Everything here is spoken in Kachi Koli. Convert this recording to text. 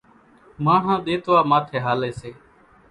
ماڻۿان ۮيتوا ماٿي ھالي سي،